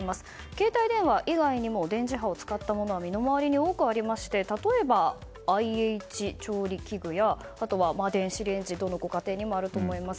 携帯電話以外にも電磁波を使ったものは身の回りに多くありまして例えば、ＩＨ調理器具やあとは電子レンジどのご家庭にもあると思います。